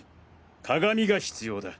鏡が必要だ。